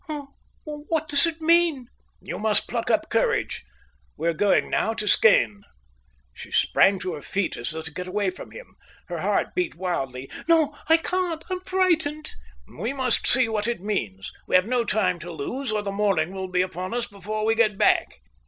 "Oh, what does it mean?" "You must pluck up courage. We're going now to Skene." She sprang to her feet, as though to get away from him; her heart beat wildly. "No, I can't; I'm frightened." "We must see what it means. We have no time to lose, or the morning will be upon us before we get back."